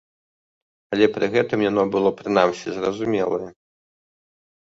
Але пры гэтым яно было прынамсі зразумелае.